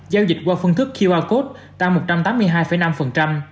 giao dịch qua phương thức qr code tăng một trăm tám mươi hai năm